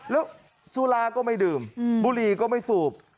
แล้วสุราก็ไม่ดื่มบุหรี่ก็ไม่สูบ